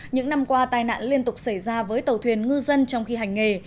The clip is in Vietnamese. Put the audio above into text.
những năm qua tai nạn liên tục xảy ra với tàu thuyền ngư dân trong khi hành nghề